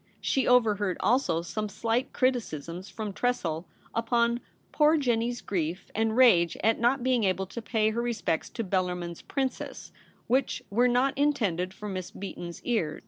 She overheard also some slight criticisms from Tressel upon ' poor Jennie's ' grief and rage at not being able to pay her respects to * Bellarmin's Princess,' which were not in tended for Miss Beaton's ear.